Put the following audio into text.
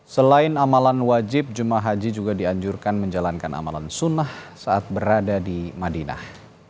selain amalan wajib ⁇ jumah ⁇ haji juga dianjurkan menjalankan amalan sunnah saat berada di madinah